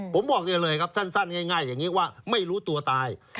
ผมบอกได้เลยครับสั้นง่ายอย่างนี้ว่าไม่รู้ตัวตาย